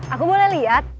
aku boleh liat